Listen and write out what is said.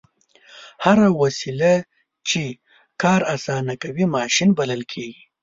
هره وسیله چې کار اسانه کوي ماشین بلل کیږي.